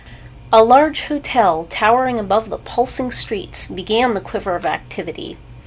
A large hotel, towering above the pulsing streets, began the quiver of activity.